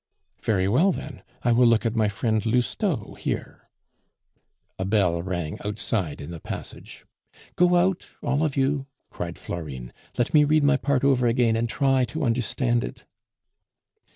"Very well, then, I will look at my friend Lousteau here." A bell rang outside in the passage. "Go out, all of you!" cried Florine; "let me read my part over again and try to understand it."